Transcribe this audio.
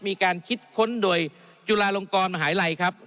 มีการคิดค้นโดยจุฬาลงกรมหาวิทยาลัยครับ